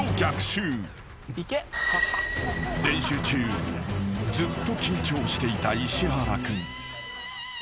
［練習中ずっと緊張していた石原君］